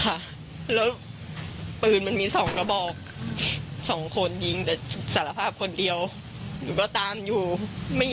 ค่ะแล้วปืนมันมีสองกระบอกสองคนยิงแต่สารภาพคนเดียวหนูก็ตามอยู่ไม่